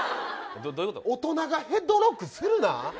大人がヘッドロックするな。